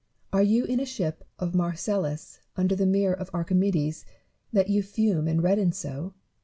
Are you in a ship of Marcellus under the mirror of Archimedes, that you fume and redden so